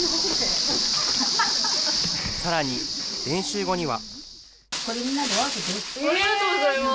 さらに、練習後には。